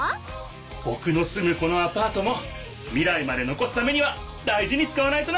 ぼくのすむこのアパートも未来まで残すためには大事に使わないとな！